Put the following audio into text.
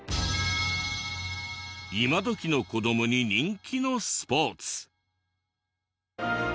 今どきの子どもに人気のスポーツ。